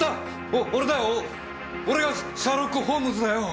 お俺だよ俺がシャーロック・ホームズだよ！